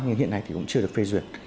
nhưng hiện nay thì cũng chưa được phê duyệt